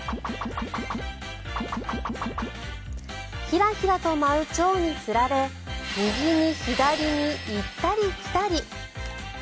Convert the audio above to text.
ひらひらと舞うチョウにつられ右に左に行ったり来たり。